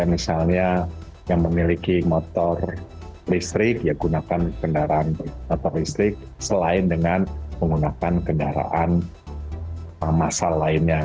misalnya yang memiliki motor listrik ya gunakan kendaraan motor listrik selain dengan menggunakan kendaraan masal lainnya